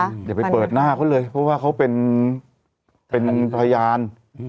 เดี๋ยวไปเปิดหน้าเขาเลยเพราะว่าเขาเป็นพยาน